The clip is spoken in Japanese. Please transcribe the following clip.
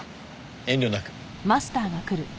遠慮なく。